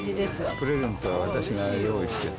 プレゼントは私が用意してて。